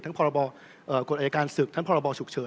ทั้งพาอัยการศึกษ์ทั้งพบฉุกเฉาะ